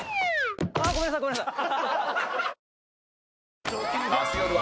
あっごめんなさいごめんなさい。